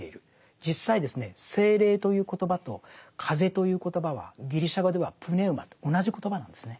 実際ですね「聖霊」という言葉と「風」という言葉はギリシャ語ではプネウマと同じ言葉なんですね。